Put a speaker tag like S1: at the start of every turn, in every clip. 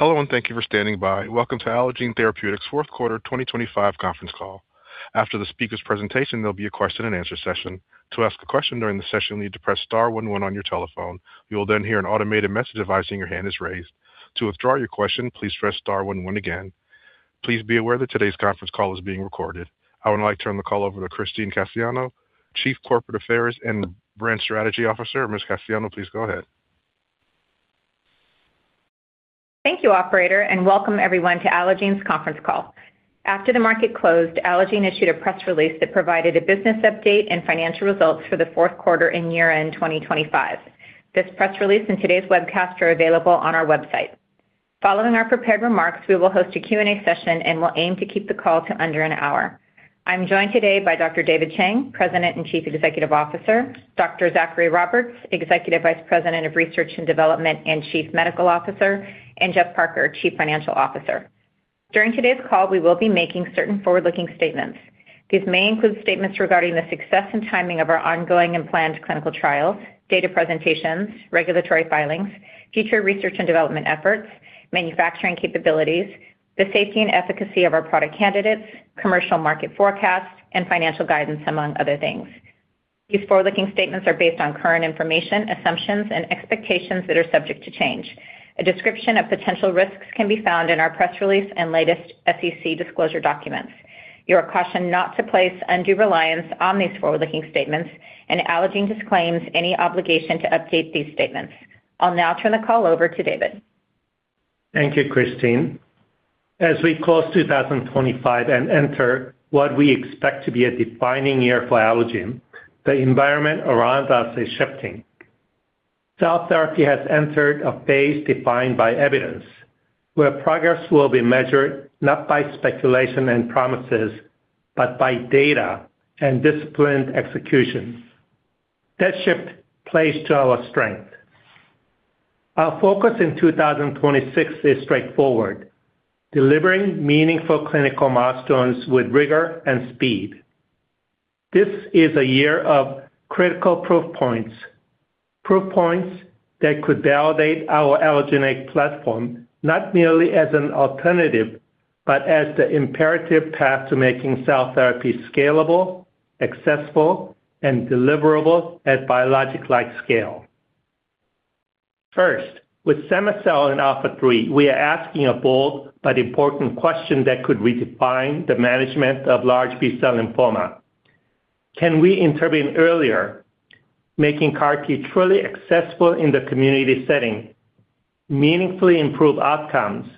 S1: Hello, and thank you for standing by. Welcome to Allogene Therapeutics fourth quarter 2025 conference call. After the speaker's presentation, there'll be a question and answer session. To ask a question during the session, you'll need to press star one one on your telephone. You will then hear an automated message advising your hand is raised. To withdraw your question, please Press Star one one again. Please be aware that today's conference call is being recorded. I would now like to turn the call over to Christine Cassiano, Chief Corporate Affairs and Brand Strategy Officer. Ms. Cassiano, please go ahead.
S2: Thank you, operator, and welcome everyone to Allogene's conference call. After the market closed, Allogene issued a press release that provided a business update and financial results for the fourth quarter and year-end 2025. This press release and today's webcast are available on our website. Following our prepared remarks, we will host a Q&A session and we'll aim to keep the call to under an hour. I'm joined today by Dr. David Chang, President and Chief Executive Officer, Dr. Zachary Roberts, Executive Vice President of Research and Development and Chief Medical Officer, and Geoffrey Parker, Chief Financial Officer. During today's call, we will be making certain forward-looking statements. These may include statements regarding the success and timing of our ongoing and planned clinical trials, data presentations, regulatory filings, future research and development efforts, manufacturing capabilities, the safety and efficacy of our product candidates, commercial market forecasts, and financial guidance, among other things. These forward-looking statements are based on current information, assumptions, and expectations that are subject to change. A description of potential risks can be found in our press release and latest SEC disclosure documents. You are cautioned not to place undue reliance on these forward-looking statements, and Allogene disclaims any obligation to update these statements. I'll now turn the call over to David.
S3: Thank you, Christine. As we close 2025 and enter what we expect to be a defining year for Allogene, the environment around us is shifting. Cell therapy has entered a phase defined by evidence, where progress will be measured not by speculation and promises, but by data and disciplined executions. That shift plays to our strength. Our focus in 2026 is straightforward, delivering meaningful clinical milestones with rigor and speed. This is a year of critical proof points. Proof points that could validate our allogeneic platform, not merely as an alternative, but as the imperative path to making cell therapy scalable, accessible, and deliverable at biologic-like scale. First, with cema-cel in ALPHA3, we are asking a bold but important question that could redefine the management of large B-cell lymphoma. Can we intervene earlier, making CAR T truly accessible in the community setting, meaningfully improve outcomes,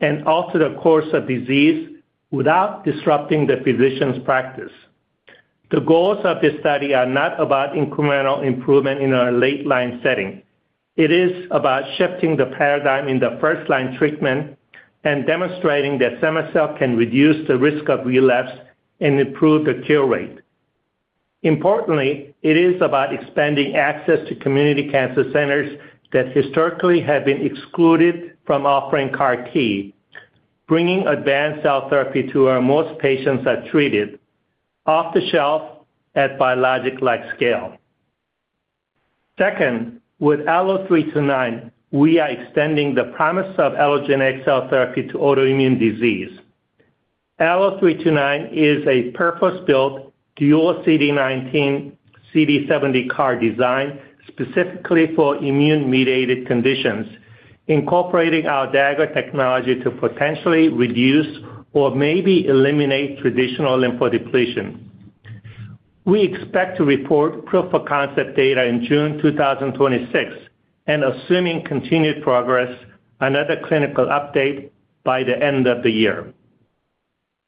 S3: and alter the course of disease without disrupting the physician's practice? The goals of this study are not about incremental improvement in a late line setting. It is about shifting the paradigm in the first line treatment and demonstrating that cell can reduce the risk of relapse and improve the cure rate. Importantly, it is about expanding access to community cancer centers that historically have been excluded from offering CAR T, bringing advanced cell therapy to where most patients are treated off the shelf at biologic-like scale. Second, with ALLO-329, we are extending the promise of allogeneic cell therapy to autoimmune disease. ALLO-329 is a purpose-built dual CD19, CD70 CAR design specifically for immune-mediated conditions, incorporating our Dagger technology to potentially reduce or maybe eliminate traditional lymphodepletion. We expect to report proof of concept data in June 2026, and assuming continued progress, another clinical update by the end of the year.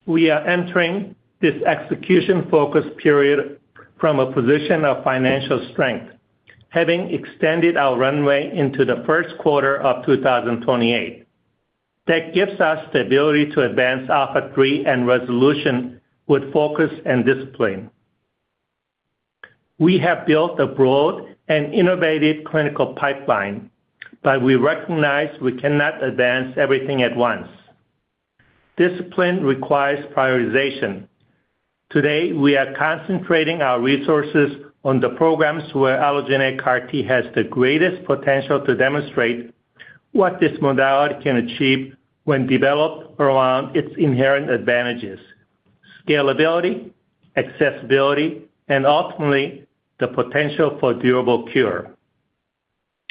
S3: We are entering this execution-focused period from a position of financial strength, having extended our runway into the first quarter of 2028. That gives us stability to advance ALPHA3 and RESOLUTION with focus and discipline. We have built a broad and innovative clinical pipeline, but we recognize we cannot advance everything at once. Discipline requires prioritization. Today, we are concentrating our resources on the programs where allogeneic CAR T has the greatest potential to demonstrate what this modality can achieve when developed around its inherent advantages, scalability, accessibility, and ultimately, the potential for durable cure.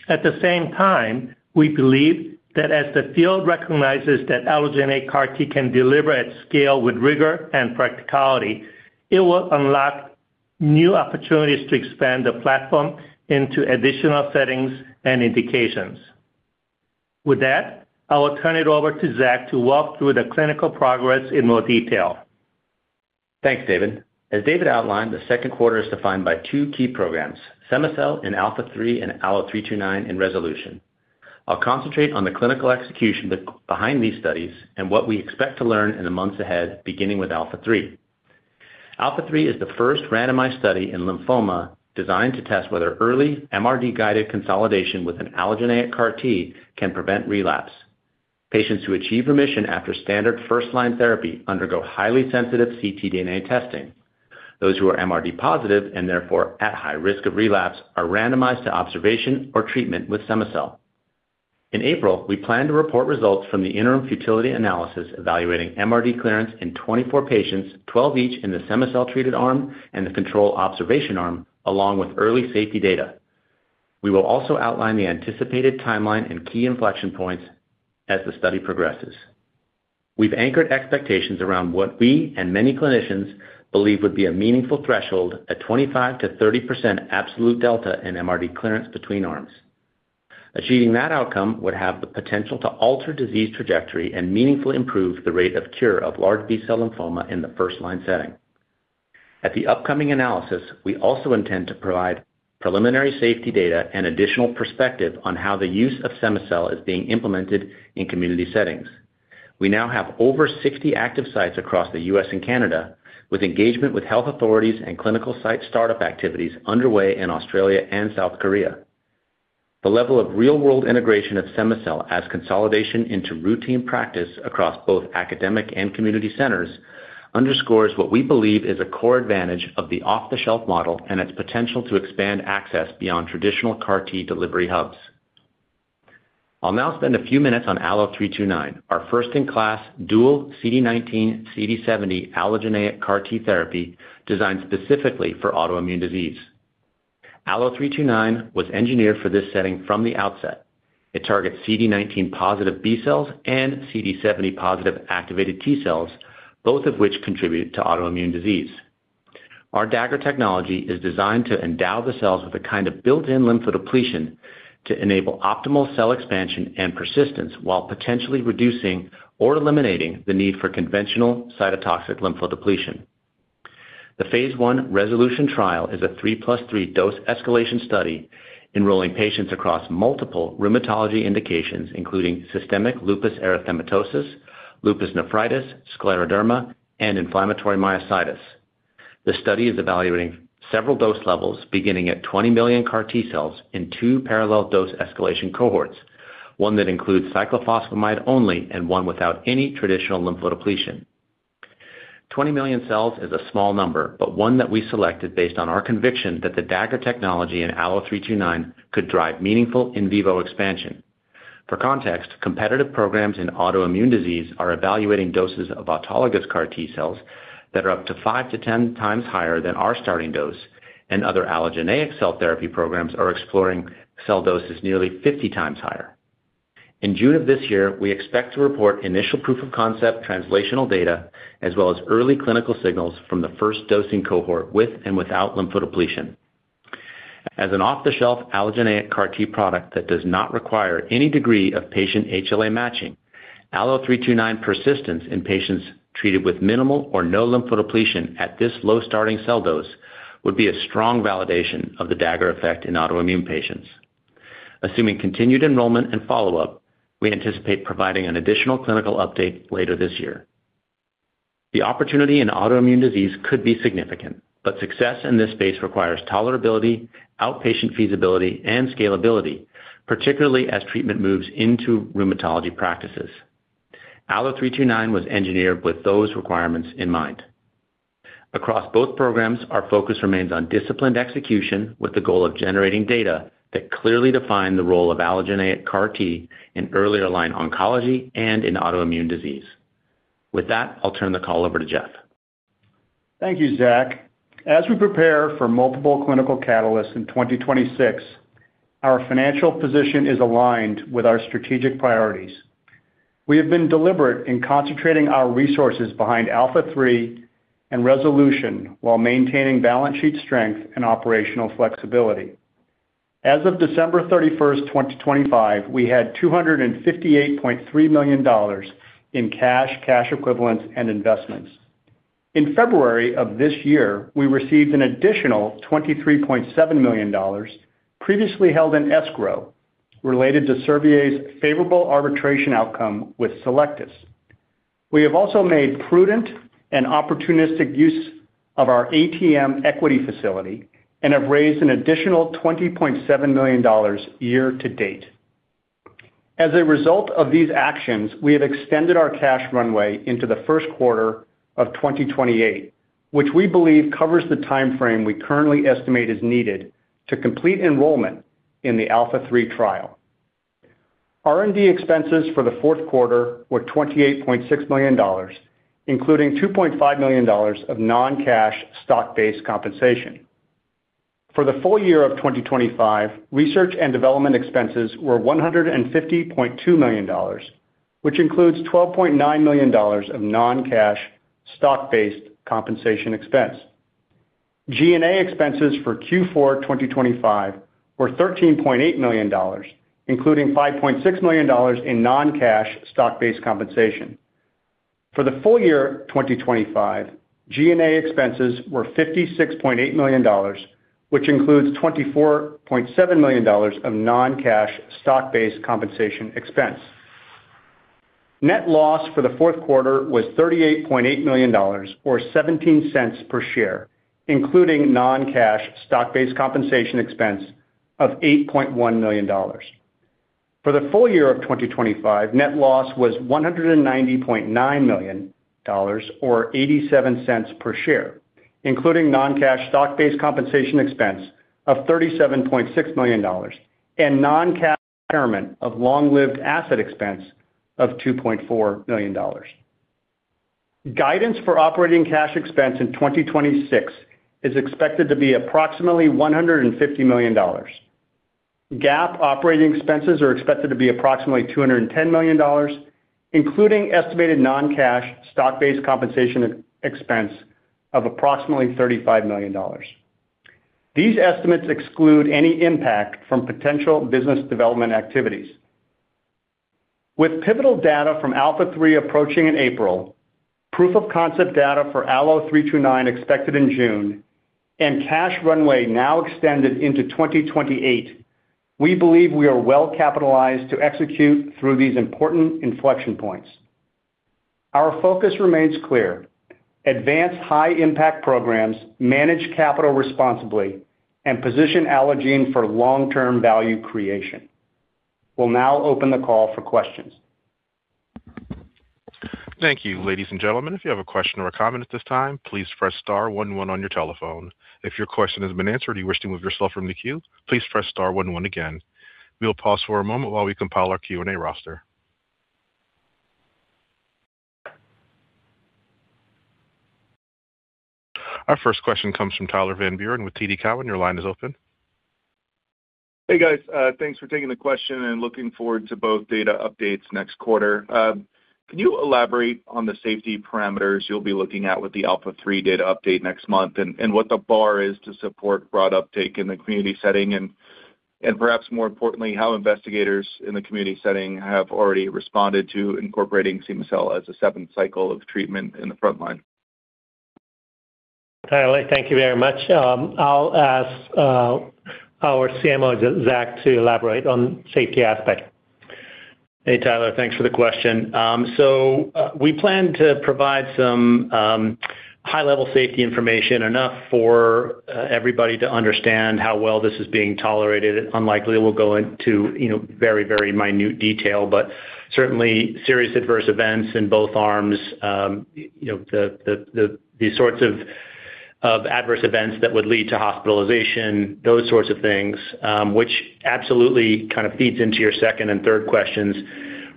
S3: At the same time, we believe that as the field recognizes that allogeneic CAR T can deliver at scale with rigor and practicality, it will unlock new opportunities to expand the platform into additional settings and indications. With that, I will turn it over to Zach to walk through the clinical progress in more detail.
S4: Thanks, David. As David outlined, the second quarter is defined by two key programs, cema-cel in ALPHA3 and ALLO-329 in RESOLUTION. I'll concentrate on the clinical execution behind these studies and what we expect to learn in the months ahead, beginning with ALPHA3. ALPHA3 is the first randomized study in lymphoma designed to test whether early MRD-guided consolidation with an allogeneic CAR T can prevent relapse. Patients who achieve remission after standard first-line therapy undergo highly sensitive ctDNA testing. Those who are MRD positive and therefore at high risk of relapse, are randomized to observation or treatment with cema-cel. In April, we plan to report results from the interim futility analysis evaluating MRD clearance in 24 patients, 12 each in the cema-cel-treated arm and the control observation arm, along with early safety data. We will also outline the anticipated timeline and key inflection points as the study progresses. We've anchored expectations around what we and many clinicians believe would be a meaningful threshold at 25%-30% absolute delta in MRD clearance between arms. Achieving that outcome would have the potential to alter disease trajectory and meaningfully improve the rate of cure of large B-cell lymphoma in the first-line setting. At the upcoming analysis, we also intend to provide preliminary safety data and additional perspective on how the use of cell is being implemented in community settings. We now have over 60 active sites across the U.S. and Canada, with engagement with health authorities and clinical site startup activities underway in Australia and South Korea. The level of real-world integration of cell as consolidation into routine practice across both academic and community centers underscores what we believe is a core advantage of the off-the-shelf model and its potential to expand access beyond traditional CAR T delivery hubs. I'll now spend a few minutes on ALLO-329, our first-in-class dual CD19 CD70 allogeneic CAR T therapy designed specifically for autoimmune disease. ALLO-329 was engineered for this setting from the outset. It targets CD19 positive B cells and CD70 positive activated T cells, both of which contribute to autoimmune disease. Our Dagger technology is designed to endow the cells with a kind of built-in lymphodepletion to enable optimal cell expansion and persistence while potentially reducing or eliminating the need for conventional cytotoxic lymphodepletion. The phase 1 RESOLUTION trial is a 3 + 3 dose escalation study enrolling patients across multiple rheumatology indications, including systemic lupus erythematosus, lupus nephritis, scleroderma, and inflammatory myositis. The study is evaluating several dose levels, beginning at 20 million CAR T cells in two parallel dose escalation cohorts, one that includes cyclophosphamide only and one without any traditional lymphodepletion. 20 million cells is a small number, but one that we selected based on our conviction that the Dagger technology in ALLO-329 could drive meaningful in vivo expansion. For context, competitive programs in autoimmune disease are evaluating doses of autologous CAR T cells that are up to 5-10x higher than our starting dose, and other allogeneic cell therapy programs are exploring cell doses nearly 50x higher. In June of this year, we expect to report initial proof of concept translational data as well as early clinical signals from the first dosing cohort with and without lymphodepletion. As an off-the-shelf allogeneic CAR T product that does not require any degree of patient HLA matching, ALLO-329 persistence in patients treated with minimal or no lymphodepletion at this low starting cell dose would be a strong validation of the Dagger effect in autoimmune patients. Assuming continued enrollment and follow-up, we anticipate providing an additional clinical update later this year. The opportunity in autoimmune disease could be significant, but success in this space requires tolerability, outpatient feasibility, and scalability, particularly as treatment moves into rheumatology practices. ALLO-329 was engineered with those requirements in mind. Across both programs, our focus remains on disciplined execution with the goal of generating data that clearly define the role of allogeneic CAR T in earlier line oncology and in autoimmune disease. With that, I'll turn the call over to Jeff.
S5: Thank you, Zach. As we prepare for multiple clinical catalysts in 2026, our financial position is aligned with our strategic priorities. We have been deliberate in concentrating our resources behind ALPHA3 and RESOLUTION while maintaining balance sheet strength and operational flexibility. As of 31st December 2025, we had $258.3 million in cash equivalents, and investments. In February of this year, we received an additional $23.7 million previously held in escrow related to Servier's favorable arbitration outcome with Cellectis. We have also made prudent and opportunistic use of our ATM equity facility and have raised an additional $20.7 million year to date. As a result of these actions, we have extended our cash runway into the first quarter of 2028, which we believe covers the timeframe we currently estimate is needed to complete enrollment in the ALPHA3 trial. R&D expenses for the fourth quarter were $28.6 million, including $2.5 million of non-cash stock-based compensation. For the full year of 2025, research and development expenses were $150.2 million, which includes $12.9 million of non-cash stock-based compensation expense. G&A expenses for Q4 2025 were $13.8 million, including $5.6 million in non-cash stock-based compensation. For the full year 2025, G&A expenses were $56.8 million, which includes $24.7 million of non-cash stock-based compensation expense. Net loss for the fourth quarter was $38.8 million or $0.17 per share, including non-cash stock-based compensation expense of $8.1 million. For the full year of 2025, net loss was $189.9 million or $0.87 per share, including non-cash stock-based compensation expense of $37.6 million and non-cash retirement of long-lived asset expense of $2.4 million. Guidance for operating cash expense in 2026 is expected to be approximately $150 million. GAAP operating expenses are expected to be approximately $210 million, including estimated non-cash stock-based compensation expense of approximately $35 million. These estimates exclude any impact from potential business development activities. With pivotal data from ALPHA3 approaching in April, proof of concept data for ALLO-329 expected in June, and cash runway now extended into 2028, we believe we are well capitalized to execute through these important inflection points. Our focus remains clear. Advance high impact programs, manage capital responsibly, and position Allogene for long-term value creation. We'll now open the call for questions.
S1: Thank you. Ladies and gentlemen, if you have a question or a comment at this time, please press star one one on your telephone. If your question has been answered and you wish to move yourself from the queue, please press star one one again. We'll pause for a moment while we compile our Q&A roster. Our first question comes from Tyler Van Buren with TD Cowen. Your line is open.
S6: Hey, guys. Thanks for taking the question and looking forward to both data updates next quarter. Can you elaborate on the safety parameters you'll be looking at with the ALPHA3 data update next month? What the bar is to support broad uptake in the community setting? Perhaps more importantly, how investigators in the community setting have already responded to incorporating cema-cel as a seventh cycle of treatment in the front line?
S3: Tyler, thank you very much. I'll ask our CMO, Zach, to elaborate on safety aspect.
S4: Hey, Tyler. Thanks for the question. So, we plan to provide some high-level safety information enough for everybody to understand how well this is being tolerated. Unlikely we'll go into, you know, very, very minute detail, but certainly serious adverse events in both arms, you know, these sorts of adverse events that would lead to hospitalization, those sorts of things, which absolutely kind of feeds into your second and third questions.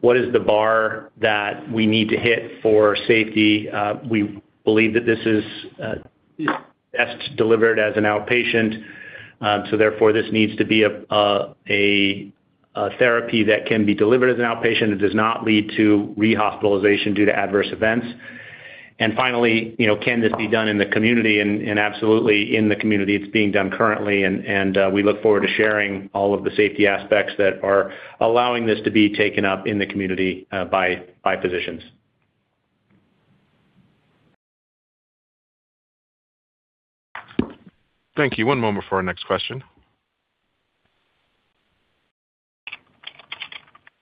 S4: What is the bar that we need to hit for safety? We believe that this is best delivered as an outpatient. So therefore, this needs to be a therapy that can be delivered as an outpatient. It does not lead to rehospitalization due to adverse events. Finally, you know, can this be done in the community? Absolutely in the community it's being done currently. We look forward to sharing all of the safety aspects that are allowing this to be taken up in the community by physicians.
S1: Thank you. One moment for our next question.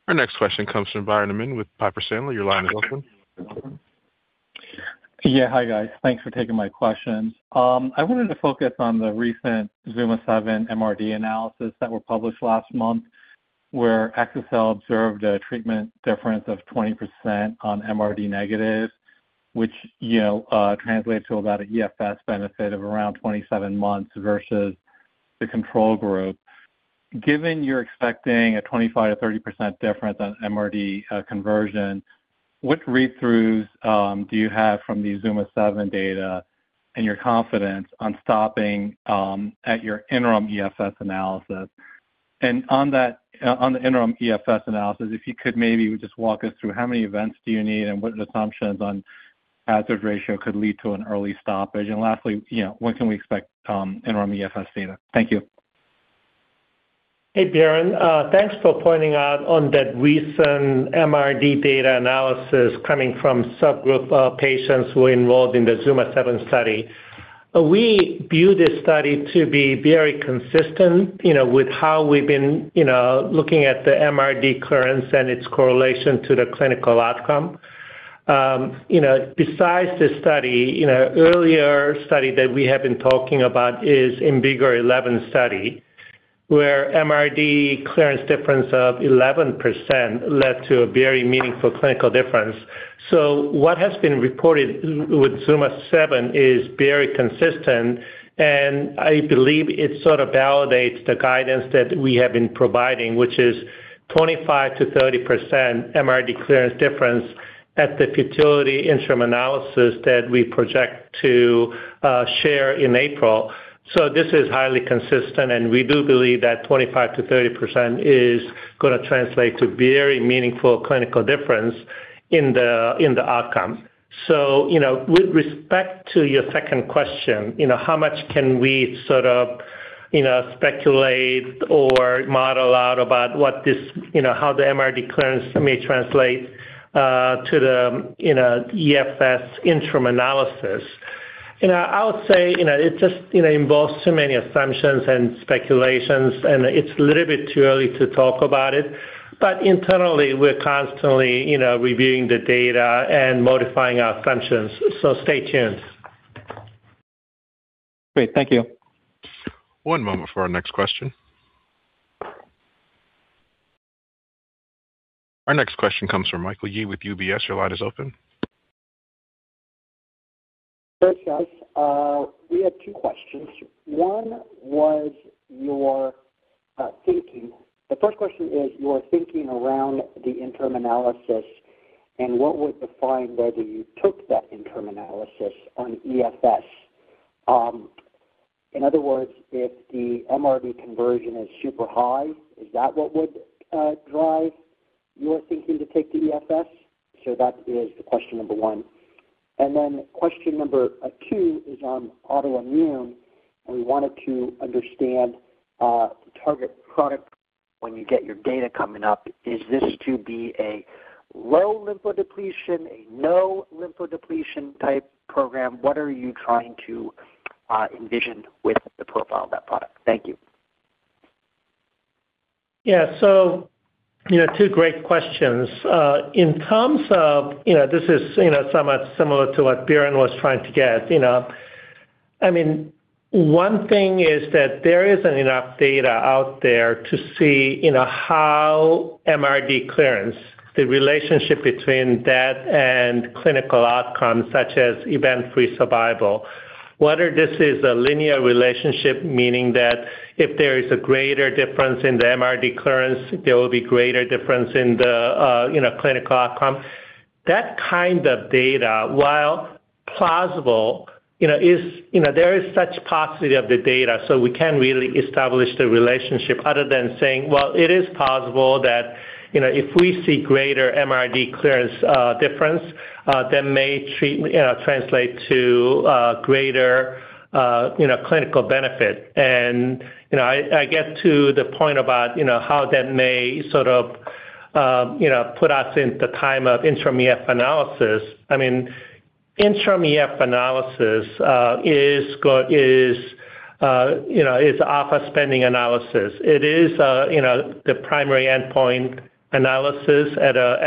S1: Our next question comes from Biren Amin with Piper Sandler. Your line is open.
S7: Yeah. Hi, guys. Thanks for taking my questions. I wanted to focus on the recent ZUMA-7 MRD analysis that were published last month, where axi-cel observed a treatment difference of 20% on MRD negative, which, you know, translates to about a EFS benefit of around 27 months versus the control group. Given you're expecting a 25%-30% difference on MRD conversion, what read-throughs do you have from the ZUMA-7 data and your confidence on stopping at your interim EFS analysis? On the interim EFS analysis, if you could maybe just walk us through how many events do you need, and what assumptions on hazard ratio could lead to an early stoppage? Lastly, you know, when can we expect interim EFS data? Thank you.
S3: Hey, Biren. Thanks for pointing out on that recent MRD data analysis coming from subgroup of patients who are involved in the ZUMA-7 study. We view this study to be very consistent, you know, with how we've been, you know, looking at the MRD clearance and its correlation to the clinical outcome. You know, besides this study, in an earlier study that we have been talking about is IMvigor011 study, where MRD clearance difference of 11% led to a very meaningful clinical difference. What has been reported with ZUMA-7 is very consistent, and I believe it sort of validates the guidance that we have been providing, which is 25%-30% MRD clearance difference at the futility interim analysis that we project to share in April. This is highly consistent, and we do believe that 25%-30% is gonna translate to very meaningful clinical difference in the, in the outcome. You know, with respect to your second question, you know, how much can we sort of, you know, speculate or model out about what this, you know, how the MRD clearance may translate to the, you know, EFS interim analysis? You know, I would say, you know, it just, you know, involves too many assumptions and speculations, and it's a little bit too early to talk about it. Internally, we're constantly, you know, reviewing the data and modifying our assumptions. Stay tuned.
S7: Great. Thank you.
S1: One moment for our next question. Our next question comes from Michael Yee with UBS. Your line is open.
S8: Thanks, guys. We had two questions. One was your thinking. The first question is your thinking around the interim analysis and what would define whether you took that interim analysis on EFS. In other words, if the MRD conversion is super high, is that what would drive your thinking to take the EFS? That is the question number one. Then question number two is on autoimmune, and we wanted to understand target product profile when you get your data coming up. Is this to be a low lymphodepletion, a no lymphodepletion type program? What are you trying to envision with the profile of that product? Thank you.
S3: Yeah. You know, two great questions in terms of, you know, this is, you know, somewhat similar to what Biren was trying to get, you know. I mean, one thing is that there isn't enough data out there to see, you know, how MRD clearance, the relationship between that and clinical outcomes such as event-free survival, whether this is a linear relationship, meaning that if there is a greater difference in the MRD clearance, there will be greater difference in the clinical outcome. That kind of data, while plausible, you know, is, you know, there is such paucity of the data, so we can't really establish the relationship other than saying, well, it is possible that, you know, if we see greater MRD clearance difference, that may translate to greater clinical benefit. I get to the point about, you know, how that may sort of, you know, put us in the time of interim EFS analysis. I mean, interim EFS analysis is the primary endpoint analysis at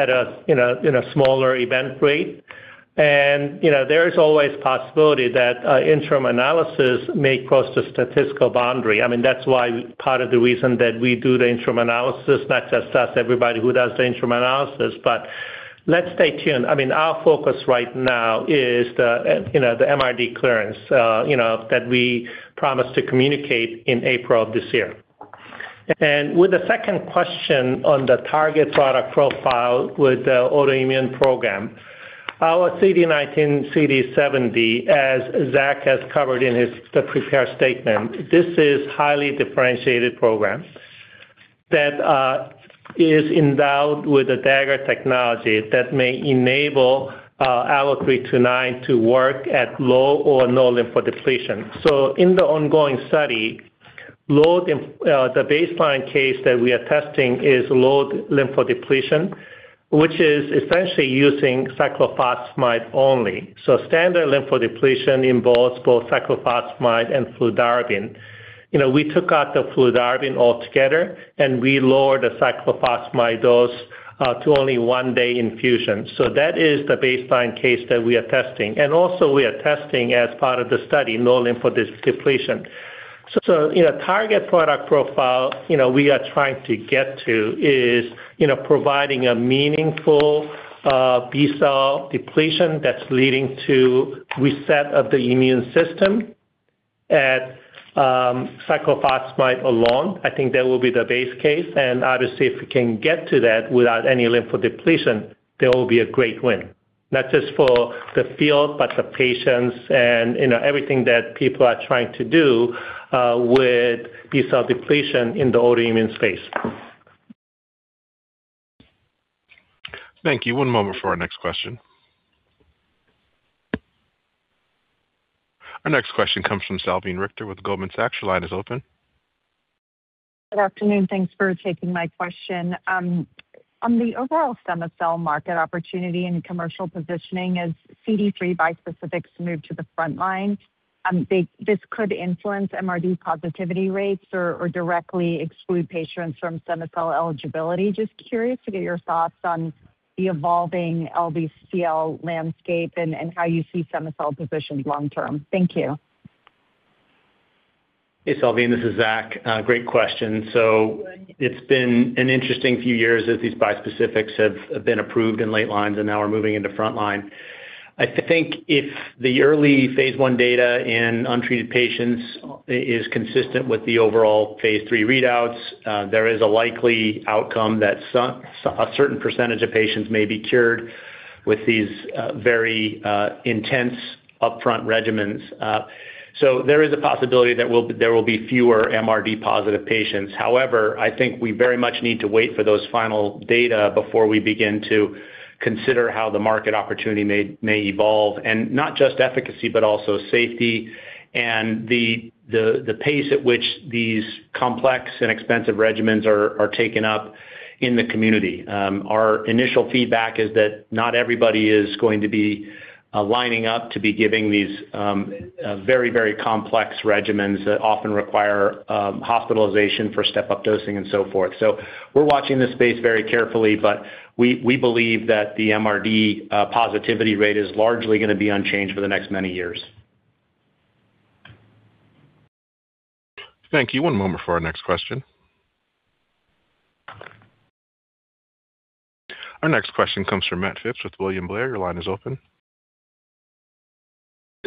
S3: a you know in a smaller event rate. You know, there is always possibility that interim analysis may cross the statistical boundary. I mean, that's why part of the reason that we do the interim analysis, not just us, everybody who does the interim analysis. Let's stay tuned. I mean, our focus right now is the, you know, the MRD clearance, you know, that we promised to communicate in April of this year. With the second question on the target product profile with the autoimmune program, our CD19/CD70, as Zach has covered in his prepared statement, this is highly differentiated program that is endowed with a Dagger technology that may enable ALLO-329 to work at low or no lymphodepletion. In the ongoing study, the baseline case that we are testing is low lymphodepletion, which is essentially using cyclophosphamide only. Standard lymphodepletion involves both cyclophosphamide and fludarabine. You know, we took out the fludarabine altogether, and we lowered the cyclophosphamide dose to only one day infusion. That is the baseline case that we are testing. We are also testing as part of the study no lymphodepletion. You know, target product profile, you know, we are trying to get to is, you know, providing a meaningful B-cell depletion that's leading to reset of the immune system at cyclophosphamide alone. I think that will be the base case. Obviously, if we can get to that without any lymphodepletion, that will be a great win, not just for the field, but the patients and, you know, everything that people are trying to do with B-cell depletion in the autoimmune space.
S1: Thank you. One moment for our next question. Our next question comes from Salveen Richter with Goldman Sachs. Your line is open.
S9: Good afternoon. Thanks for taking my question. On the overall stem cell market opportunity and commercial positioning, as CD3xCD20 bispecifics move to the front line, this could influence MRD positivity rates or directly exclude patients from stem cell eligibility. Just curious to get your thoughts on the evolving LBCL landscape and how you see stem cell positioned long term. Thank you.
S4: Hey, Salveen, this is Zachary. It's been an interesting few years as these bispecifics have been approved in late lines and now are moving into front line. I think if the early phase I data in untreated patients is consistent with the overall phase III readouts, there is a likely outcome that so a certain percentage of patients may be cured with these very intense upfront regimens. There is a possibility there will be fewer MRD positive patients. However, I think we very much need to wait for those final data before we begin to consider how the market opportunity may evolve, and not just efficacy, but also safety and the pace at which these complex and expensive regimens are taken up in the community. Our initial feedback is that not everybody is going to be lining up to be giving these very complex regimens that often require hospitalization for step-up dosing and so forth. We're watching this space very carefully, but we believe that the MRD positivity rate is largely gonna be unchanged for the next many years.
S1: Thank you. One moment for our next question. Our next question comes from Matt Phipps with William Blair. Your line is open.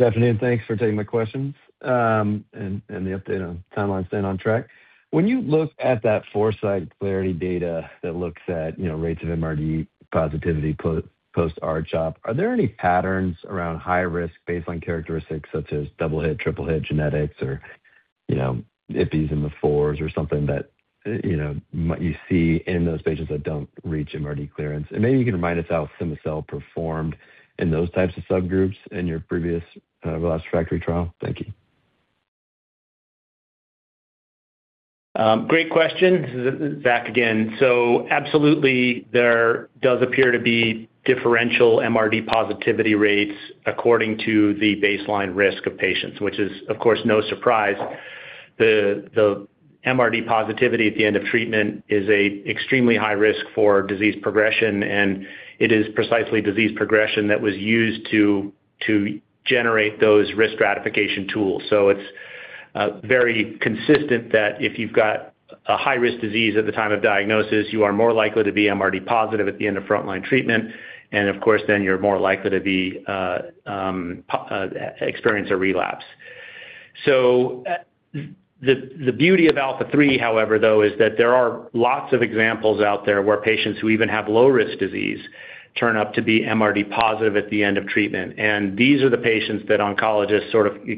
S10: Good afternoon, thanks for taking my questions, and the update on timeline staying on track. When you look at that Foresight CLARITY data that looks at, you know, rates of MRD positivity post R-CHOP, are there any patterns around high risk baseline characteristics such as double hit, triple hit genetics or, you know, IPI in the fours or something that, you know, you see in those patients that don't reach MRD clearance? Maybe you can remind us how cema-cel performed in those types of subgroups in your previous, relapsed/refractory trial. Thank you.
S4: Great question. This is Zach again. Absolutely there does appear to be differential MRD positivity rates according to the baseline risk of patients, which is of course no surprise. The MRD positivity at the end of treatment is extremely high risk for disease progression, and it is precisely disease progression that was used to generate those risk stratification tools. It's very consistent that if you've got a high-risk disease at the time of diagnosis, you are more likely to be MRD positive at the end of frontline treatment. Of course, then you're more likely to experience a relapse. The beauty of ALPHA3, however, though, is that there are lots of examples out there where patients who even have low risk disease turn out to be MRD positive at the end of treatment. These are the patients that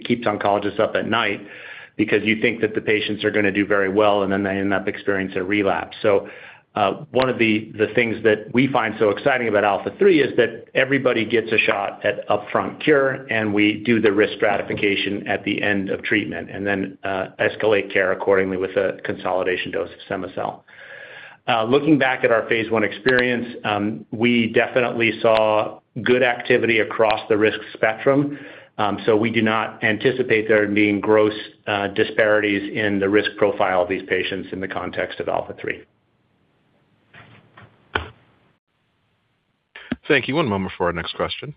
S4: keep oncologists up at night because you think that the patients are gonna do very well, and then they end up experiencing a relapse. One of the things that we find so exciting about ALPHA3 is that everybody gets a shot at upfront cure, and we do the risk stratification at the end of treatment and then escalate care accordingly with a consolidation dose of cema-cel. Looking back at our phase 1 experience, we definitely saw good activity across the risk spectrum, so we do not anticipate there being gross disparities in the risk profile of these patients in the context of ALPHA3.
S1: Thank you. One moment for our next question.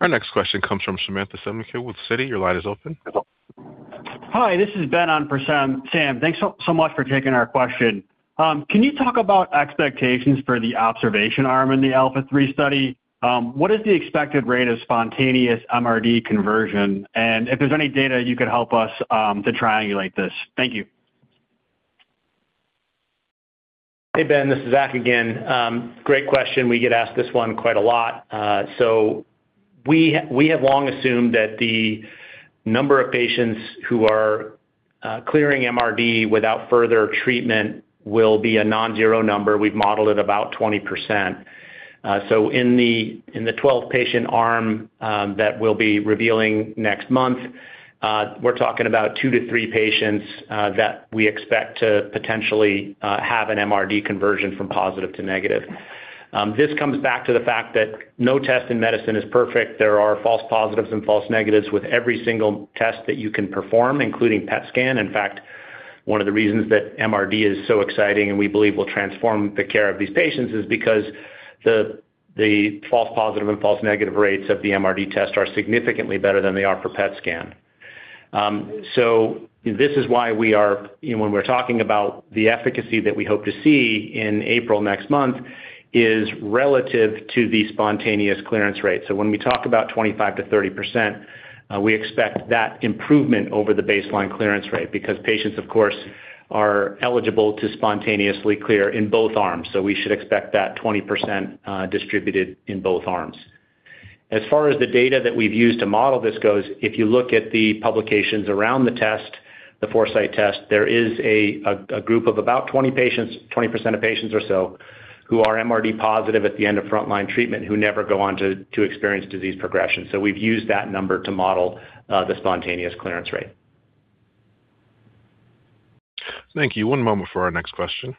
S1: Our next question comes from Samantha Semenkow with Citigroup. Your line is open.
S8: Hi, this is Ben on for Sam. thanks so much for taking our question. Can you talk about expectations for the observation arm in the ALPHA3 study? What is the expected rate of spontaneous MRD conversion? If there's any data you could help us to triangulate this. Thank you.
S4: Hey, Ben, this is Zach again. Great question. We get asked this one quite a lot. We have long assumed that the number of patients who are clearing MRD without further treatment will be a non-zero number. We've modeled it about 20%. In the 12-patient arm that we'll be revealing next month, we're talking about 2-3 patients that we expect to potentially have an MRD conversion from positive to negative. This comes back to the fact that no test in medicine is perfect. There are false positives and false negatives with every single test that you can perform, including PET scan. In fact, one of the reasons that MRD is so exciting and we believe will transform the care of these patients is because the false positive and false negative rates of the MRD test are significantly better than they are for PET scan. This is why when we're talking about the efficacy that we hope to see in April next month is relative to the spontaneous clearance rate. When we talk about 25%-30%, we expect that improvement over the baseline clearance rate because patients, of course, are eligible to spontaneously clear in both arms. We should expect that 20%, distributed in both arms. As far as the data that we've used to model this goes, if you look at the publications around the test, the Foresight test, there is a group of about 20 patients, 20% of patients or so, who are MRD positive at the end of frontline treatment who never go on to experience disease progression. We've used that number to model the spontaneous clearance rate.
S1: Thank you. One moment for our next question.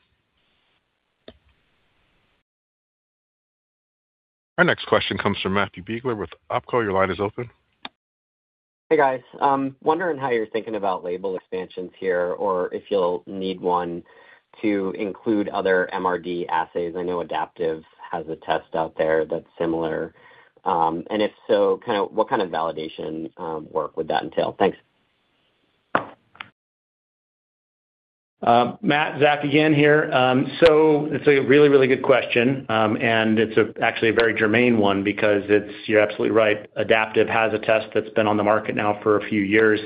S1: Our next question comes from Matthew Biegler with Oppenheimer. Your line is open.
S11: Hey, guys. Wondering how you're thinking about label expansions here, or if you'll need one to include other MRD assays. I know Adaptive has a test out there that's similar. If so, kinda what kind of validation work would that entail? Thanks.
S4: Matt, Zach again here. It's a really good question, and it's actually a very germane one because you're absolutely right. Adaptive has a test that's been on the market now for a few years.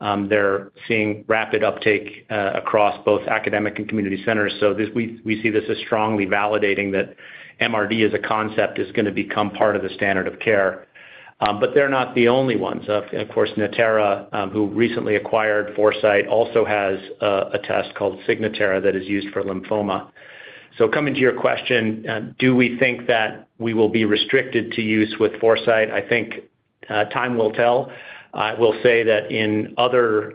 S4: They're seeing rapid uptake across both academic and community centers. We see this as strongly validating that MRD as a concept is gonna become part of the standard of care. They're not the only ones. Of course, Natera, who recently acquired Foresight, also has a test called Signatera that is used for lymphoma. Coming to your question, do we think that we will be restricted to use with Foresight? I think time will tell. I will say that in other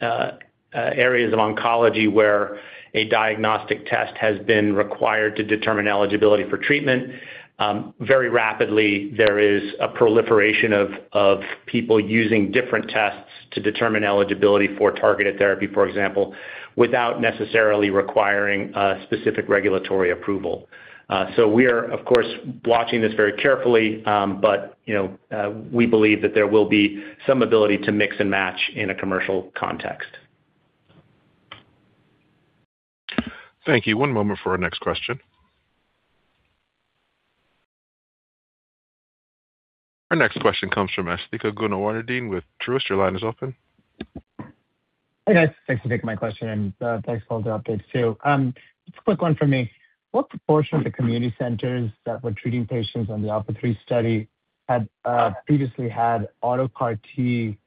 S4: areas of oncology where a diagnostic test has been required to determine eligibility for treatment, very rapidly, there is a proliferation of people using different tests to determine eligibility for targeted therapy, for example, without necessarily requiring a specific regulatory approval. We are, of course, watching this very carefully, but you know, we believe that there will be some ability to mix and match in a commercial context.
S1: Thank you. One moment for our next question. Our next question comes from Asthika Goonewardene with Truist. Your line is open.
S12: Hey, guys. Thanks for taking my question, and thanks for all the updates too. Just a quick one for me. What proportion of the community centers that were treating patients on the ALPHA3 study had previously had auto CAR T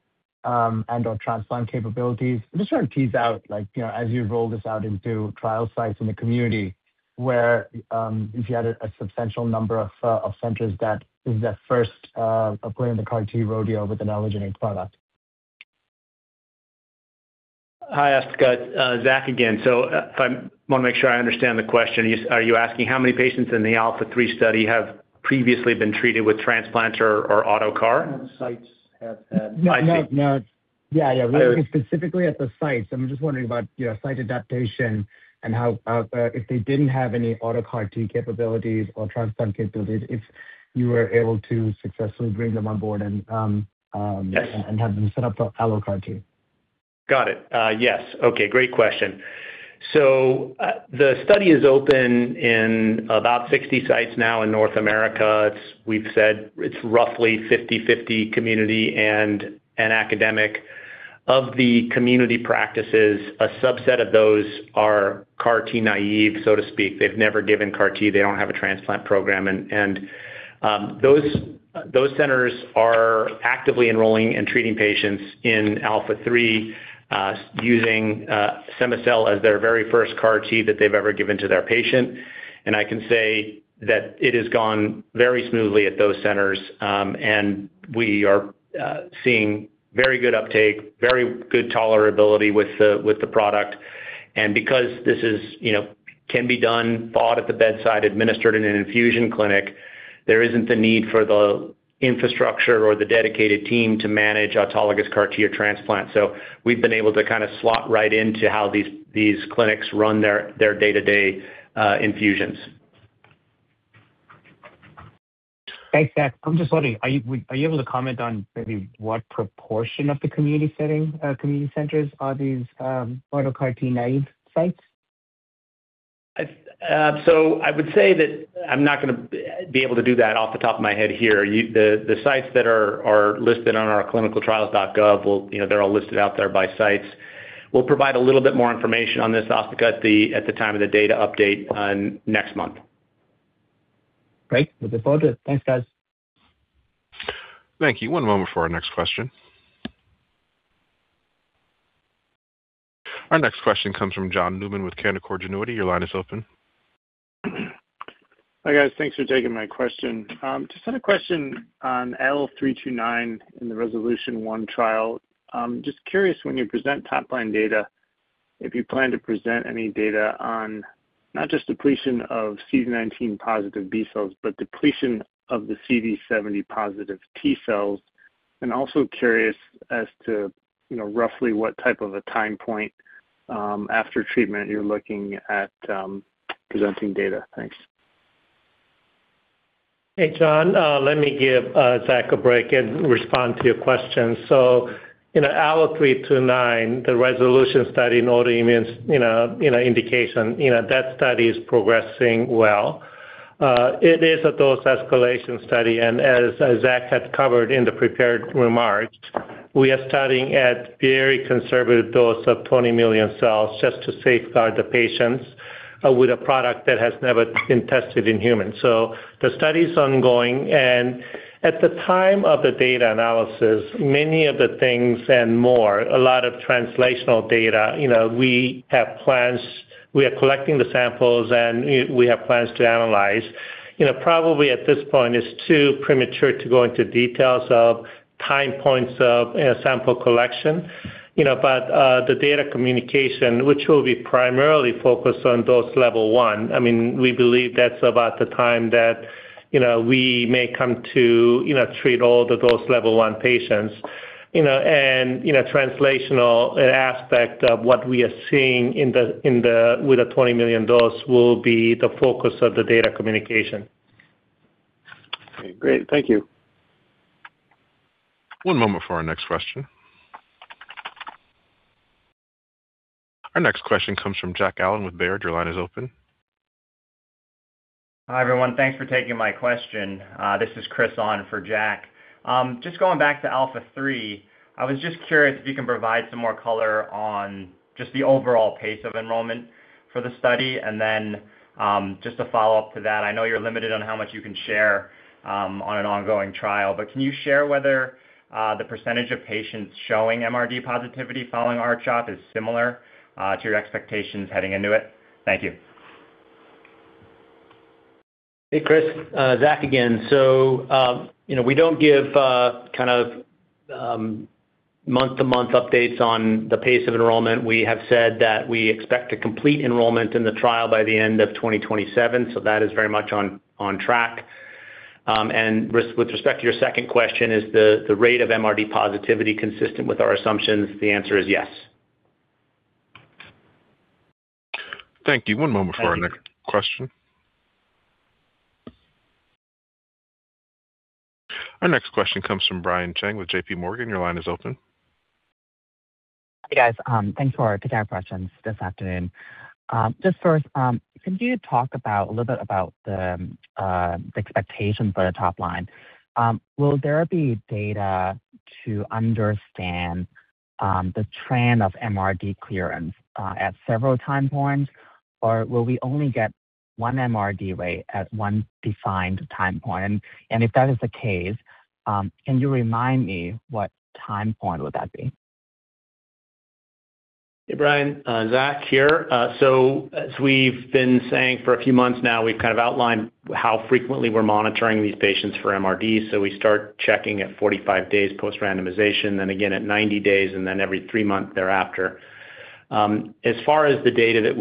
S12: and/or transplant capabilities? I'm just trying to tease out, like, you know, as you roll this out into trial sites in the community where, if you had a substantial number of centers that is their first of going to the CAR T rodeo with an allogeneic product.
S4: Hi, Asthika. Zachary again. If I want to make sure I understand the question. Are you asking how many patients in the ALPHA3 study have previously been treated with transplant or auto CAR?
S12: How many sites have had?
S4: I see.
S12: No. Yeah.
S4: There-
S12: Looking specifically at the sites, I'm just wondering about, you know, site adaptation and how, if they didn't have any allo CAR T capabilities or transplant capabilities, if you were able to successfully bring them on board and,
S4: Yes.
S12: Have them set up for Allo CAR T.
S4: Got it. Yes. Okay, great question. The study is open in about 60 sites now in North America. We've said it's roughly 50/50 community and academic. Of the community practices, a subset of those are CAR T naive, so to speak. They've never given CAR T. They don't have a transplant program. Those centers are actively enrolling and treating patients in ALPHA3 using cema-cel as their very first CAR T that they've ever given to their patient. I can say that it has gone very smoothly at those centers, and we are seeing very good uptake, very good tolerability with the product. Because this is, you know, can be done, taught at the bedside, administered in an infusion clinic, there isn't the need for the infrastructure or the dedicated team to manage autologous CAR T or transplant. We've been able to kinda slot right into how these clinics run their day-to-day infusions.
S12: Thanks, Zach. I'm just wondering, are you able to comment on maybe what proportion of the community setting, community centers are these, auto CAR T naive sites?
S4: I would say that I'm not gonna be able to do that off the top of my head here. The sites that are listed on our ClinicalTrials.gov will, you know, they're all listed out there by sites. We'll provide a little bit more information on this, Asthika, at the time of the data update next month.
S12: Great. Look forward to it. Thanks, guys.
S1: Thank you. One moment for our next question. Our next question comes from John Newman with Canaccord Genuity. Your line is open.
S13: Hi, guys. Thanks for taking my question. Just had a question on ALLO-329 in the RESOLUTION trial. Just curious when you present top line data, if you plan to present any data on not just depletion of CD19 positive B cells, but depletion of the CD70 positive T cells. Also curious as to, you know, roughly what type of a time point, after treatment you're looking at, presenting data. Thanks.
S3: Hey, John. Let me give Zachary a break and respond to your question. In ALLO-329, the RESOLUTION study in autoimmune, you know, indication, that study is progressing well. It is a dose escalation study. As Zachary had covered in the prepared remarks, we are starting at very conservative dose of 20 million cells just to safeguard the patients with a product that has never been tested in humans. The study is ongoing. At the time of the data analysis, many of the things and more, a lot of translational data, you know, we have plans. We are collecting the samples, and we have plans to analyze. You know, probably at this point it's too premature to go into details of time points of, you know, sample collection, you know. The data communication, which will be primarily focused on dose level one, I mean, we believe that's about the time that, you know, we may come to, you know, treat all the dose level one patients. You know, and, you know, translational aspect of what we are seeing in the with the 20 million dose will be the focus of the data communication.
S13: Okay, great. Thank you.
S1: One moment for our next question. Our next question comes from Jack Allen with Baird. Your line is open.
S14: Hi, everyone. Thanks for taking my question. This is Chris on for Jack. Just going back to ALPHA3, I was just curious if you can provide some more color on just the overall pace of enrollment for the study. Then, just a follow-up to that. I know you're limited on how much you can share on an ongoing trial, but can you share whether the percentage of patients showing MRD positivity following R-CHOP is similar to your expectations heading into it? Thank you.
S4: Hey, Chris. Zach again. You know, we don't give kind of month-to-month updates on the pace of enrollment. We have said that we expect to complete enrollment in the trial by the end of 2027, so that is very much on track. With respect to your second question, is the rate of MRD positivity consistent with our assumptions? The answer is yes.
S1: Thank you. One moment for our next question. Our next question comes from Brian Cheng with J.P. Morgan. Your line is open.
S15: Hey, guys. Thanks for taking our questions this afternoon. Just first, can you talk about a little bit about the expectations for the top line? Will there be data to understand the trend of MRD clearance at several time points, or will we only get one MRD rate at one defined time point? If that is the case, can you remind me what time point would that be?
S4: Hey, Brian, Zach here. As we've been saying for a few months now, we've kind of outlined how frequently we're monitoring these patients for MRD. We start checking at 45 days post-randomization, then again at 90 days, and then every three months thereafter. As far as the data that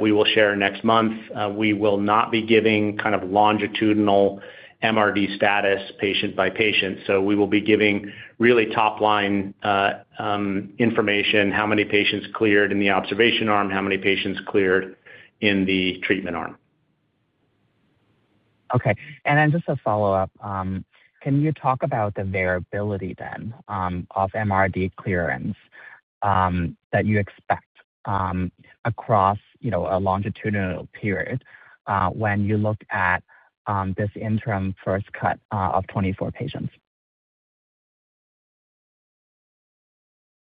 S4: we will share next month, we will not be giving kind of longitudinal MRD status patient by patient. We will be giving really top-line information, how many patients cleared in the observation arm, how many patients cleared in the treatment arm.
S15: Okay. Just a follow-up. Can you talk about the variability then of MRD clearance that you expect across, you know, a longitudinal period when you look at this interim first cut of 24 patients?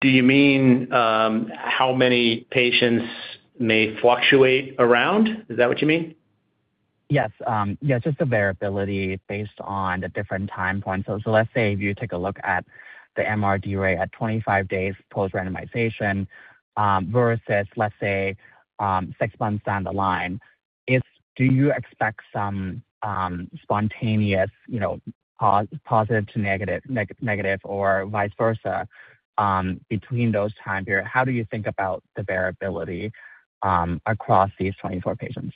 S4: Do you mean, how many patients may fluctuate around? Is that what you mean?
S15: Yes. Yes, just the variability based on the different time points. Let's say if you take a look at the MRD rate at 25 days post-randomization, versus let's say, six months down the line. Do you expect some spontaneous, you know, positive to negative or vice versa, between those time periods? How do you think about the variability across these 24 patients?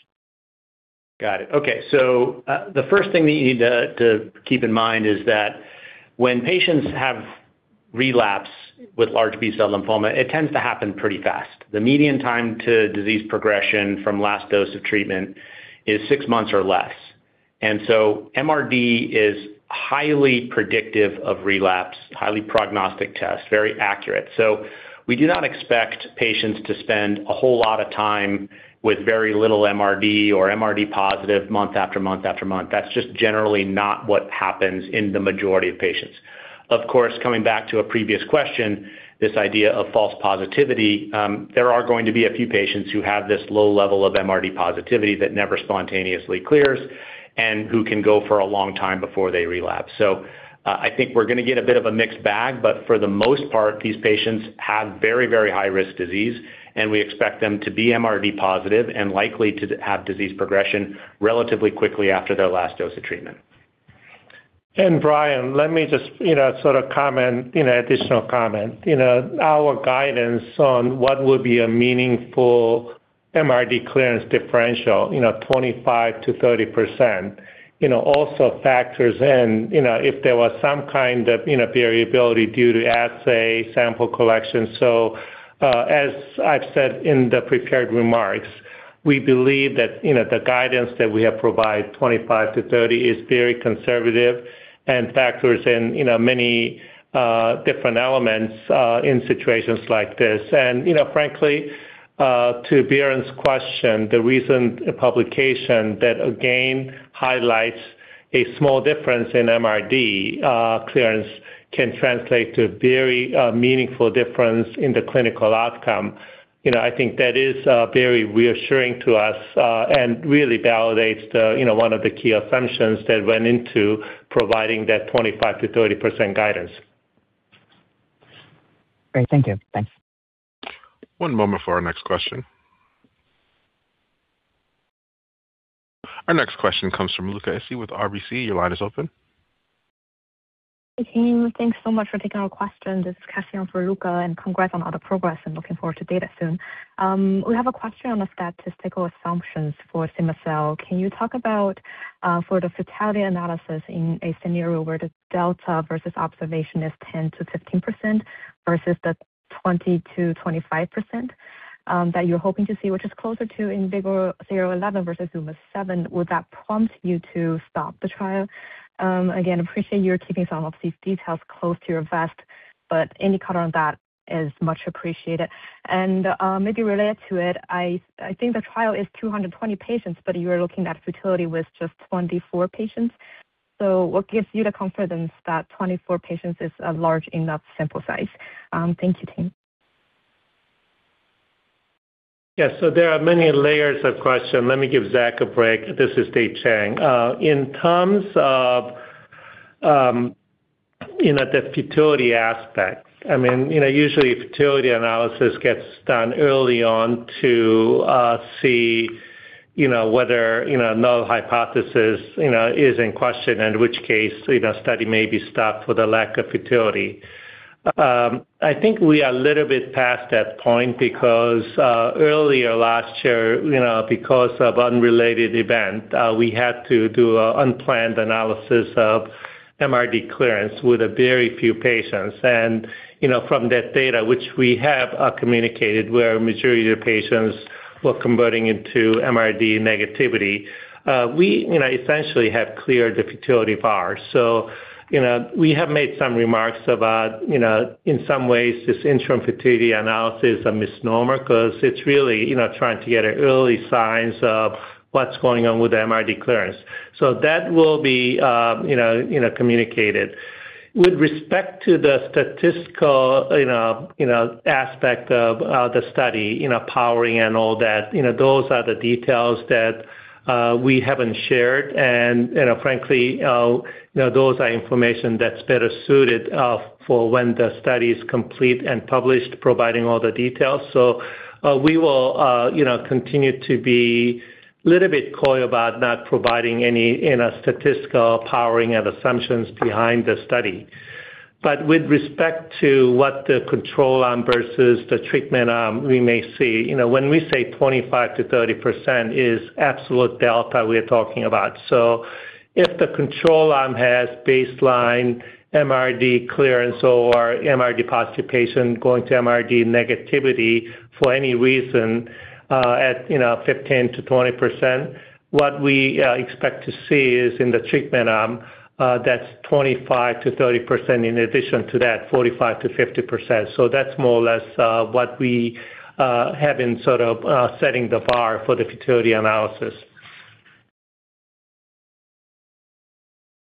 S4: Got it. Okay. The first thing that you need to keep in mind is that when patients have relapse with large B-cell lymphoma, it tends to happen pretty fast. The median time to disease progression from last dose of treatment is six months or less. MRD is highly predictive of relapse, highly prognostic test, very accurate. We do not expect patients to spend a whole lot of time with very little MRD or MRD positive month after month after month. That's just generally not what happens in the majority of patients. Of course, coming back to a previous question, this idea of false positivity, there are going to be a few patients who have this low level of MRD positivity that never spontaneously clears and who can go for a long time before they relapse. I think we're gonna get a bit of a mixed bag, but for the most part, these patients have very, very high risk disease, and we expect them to be MRD positive and likely to have disease progression relatively quickly after their last dose of treatment.
S3: Brian, let me just, you know, sort of comment, you know, additional comment. You know, our guidance on what would be a meaningful MRD clearance differential, you know, 25%-30%, you know, also factors in, you know, if there was some kind of, you know, variability due to assay sample collection. As I've said in the prepared remarks, we believe that, you know, the guidance that we have provided, 25%-30%, is very conservative and factors in, you know, many, different elements, in situations like this. You know, frankly, to Van Biren's question, the recent publication that again highlights a small difference in MRD, clearance can translate to a very, meaningful difference in the clinical outcome. You know, I think that is very reassuring to us and really validates the, you know, one of the key assumptions that went into providing that 25%-30% guidance.
S15: Great. Thank you. Thanks.
S3: One moment for our next question. Our next question comes from Luca Issi with RBC. Your line is open.
S16: Hey, team. Thanks so much for taking our question. This is Cassio for Luca, and congrats on all the progress and looking forward to data soon. We have a question on the statistical assumptions for cema-cel. Can you talk about for the futility analysis in a scenario where the delta versus observation is 10%-15% versus the 20%-25% that you're hoping to see, which is closer to IMvigor011 versus ZUMA-7? Would that prompt you to stop the trial? Again, appreciate you're keeping some of these details close to your vest, but any color on that is much appreciated. Maybe related to it, I think the trial is 220 patients, but you are looking at futility with just 24 patients. What gives you the confidence that 24 patients is a large enough sample size? Thank you, team.
S4: Yes. There are many layers of question. Let me give Zach a break. This is Dave Chang. In terms of, you know, the futility aspect, I mean, you know, usually futility analysis gets done early on to see, you know, whether, you know, null hypothesis, you know, is in question, in which case, you know, study may be stopped for the lack of futility. I think we are a little bit past that point because, earlier last year, you know, because of unrelated event, we had to do an unplanned analysis of MRD clearance with a very few patients. You know, from that data, which we have communicated, where a majority of patients
S3: Well, converting into MRD negativity, we, you know, essentially have cleared the futility bar. You know, we have made some remarks about, you know, in some ways this interim futility analysis, a misnomer, 'cause it's really, you know, trying to get an early signs of what's going on with MRD clearance. That will be, you know, communicated. With respect to the statistical, you know, aspect of the study, you know, powering and all that, you know, those are the details that we haven't shared. You know, frankly, you know, those are information that's better suited for when the study is complete and published, providing all the details. We will, you know, continue to be little bit coy about not providing any statistical powering of assumptions behind the study. With respect to what the control arm versus the treatment arm we may see, you know, when we say 25%-30% is absolute delta we're talking about. If the control arm has baseline MRD clearance or MRD positive patient going to MRD negativity for any reason, at, you know, 15%-20%, what we expect to see is in the treatment arm, that's 25%-30%, in addition to that, 45%-50%. That's more or less, what we have been sort of, setting the bar for the futility analysis.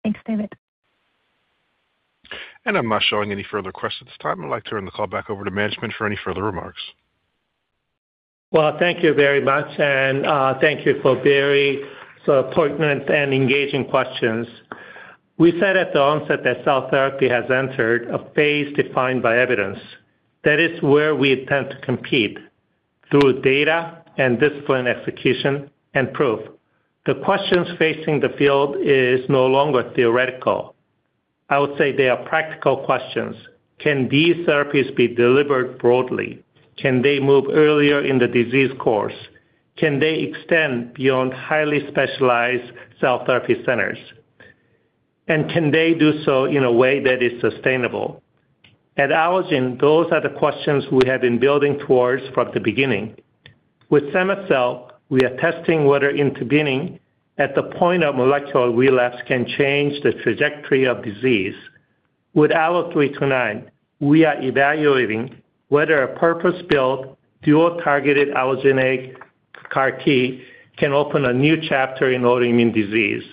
S8: Thanks, David.
S1: I'm not showing any further questions at this time. I'd like to turn the call back over to management for any further remarks.
S3: Well, thank you very much, and thank you for very sort of poignant and engaging questions. We said at the onset that cell therapy has entered a phase defined by evidence. That is where we intend to compete, through data and disciplined execution and proof. The questions facing the field is no longer theoretical. I would say they are practical questions. Can these therapies be delivered broadly? Can they move earlier in the disease course? Can they extend beyond highly specialized cell therapy centers? And can they do so in a way that is sustainable? At Allogene, those are the questions we have been building towards from the beginning. With cel, we are testing whether intervening at the point of molecular relapse can change the trajectory of disease. With ALLO-329, we are evaluating whether a purpose-built dual-targeted allogeneic CAR T can open a new chapter in autoimmune disease,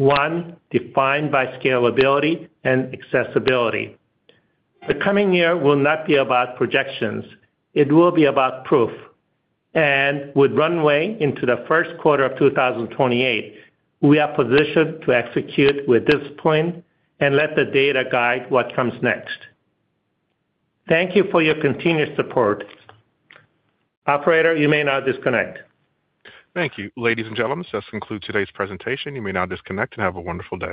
S3: one defined by scalability and accessibility. The coming year will not be about projections, it will be about proof. With runway into the first quarter of 2028, we are positioned to execute with discipline and let the data guide what comes next. Thank you for your continued support. Operator, you may now disconnect.
S1: Thank you. Ladies and gentlemen, this concludes today's presentation. You may now disconnect and have a wonderful day.